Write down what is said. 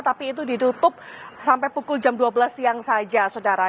tapi itu ditutup sampai pukul jam dua belas siang saja saudara